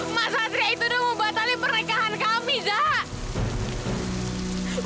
mas satria itu udah mau batalin pernikahan kami zah